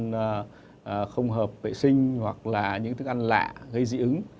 chúng ta bị ăn một cái thức ăn không hợp vệ sinh hoặc là những thức ăn lạ gây dị ứng